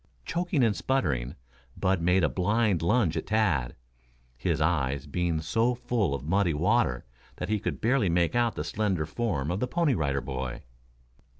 Choking and sputtering, Bud made a blind lunge at Tad, his eyes being so full of muddy water that he could barely make out the slender form of the Pony Rider Boy.